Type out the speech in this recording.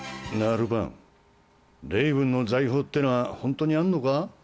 ルパン、レイブンの財宝ってのは本当にあるのか？